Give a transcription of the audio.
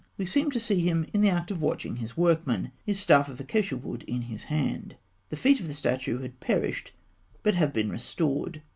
We seem to see him in the act of watching his workmen, his staff of acacia wood in his hand. The feet of the statue had perished, but have been restored.